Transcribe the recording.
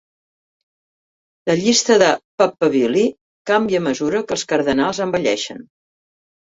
La llista de "papabili" canvia a mesura que els cardenals envelleixen.